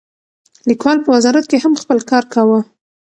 لیکوال په وزارت کې هم خپل کار کاوه.